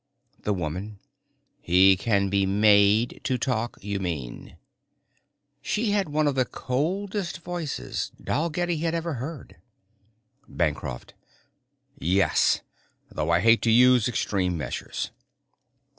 The woman: "He can be made to talk, you mean?" She had one of the coldest voices Dalgetty had ever heard. Bancroft: "Yes. Though I hate to use extreme measures."